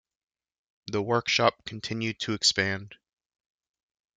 The workshop continued to expand.